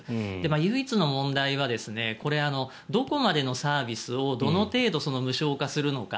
唯一の問題はどこまでのサービスをどの程度無償化するのか。